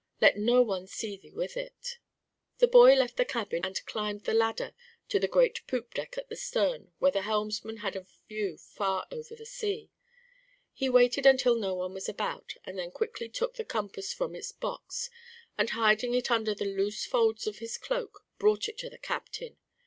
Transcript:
Let no one see thee with it." The boy left the cabin and climbed the ladder to the great poop deck at the stern where the helmsman had a view far over the sea. He waited until no one was about, and then quickly took the compass from its box, and hiding it under the loose folds of his cloak, brought it to the captain.